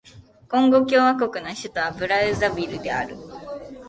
コンゴ共和国の首都はブラザヴィルである